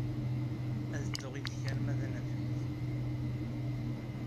Ad dduɣ yid-k arma d anafag.